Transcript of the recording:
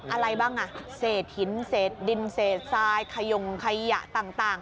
อะไรบ้างอ่ะเศษหินเศษดินเศษทรายขยงขยะต่าง